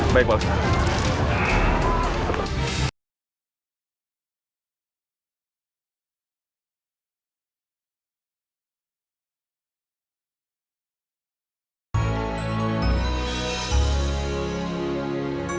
baik pak ustadz